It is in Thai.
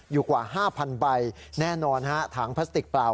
กว่า๕๐๐ใบแน่นอนฮะถังพลาสติกเปล่า